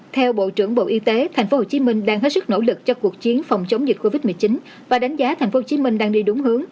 theo bộ trưởng bộ y tế tp hcm đang hết sức nỗ lực cho cuộc chiến phòng chống dịch covid một mươi chín và đánh giá tp hcm đang đi đúng hướng